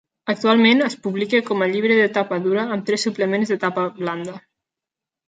Actualment, es publica com a llibre de tapa dura amb tres suplements de tapa blanda.